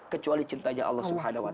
kecuali cintanya allah